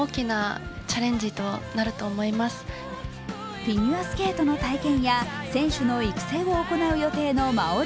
フィギュアスケートの体験や選手の育成を行う予定です。